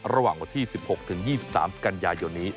ระหว่างวันที่๑๖ถึง๒๓กันยายนนี้